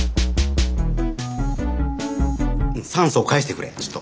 酸素を返してくれちょっと。